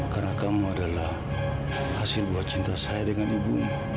karena kamu adalah hasil buat cinta saya dengan ibumu